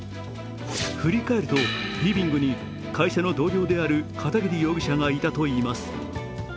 振り返ると、リビングに会社の同僚である片桐容疑者がいたといいます。